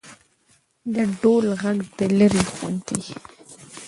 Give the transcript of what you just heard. د ډول ږغ د ليري خوند کيي.